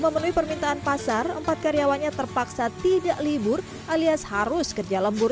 memenuhi permintaan pasar empat karyawannya terpaksa tidak libur alias harus kerja lembur